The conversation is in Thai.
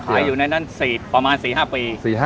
อยู่ในนั้นประมาณ๔๕ปี